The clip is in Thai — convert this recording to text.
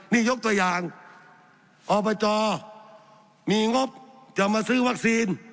นี่ยกตัวอย่างอบจมีงบจะมาซื้อวัคซีน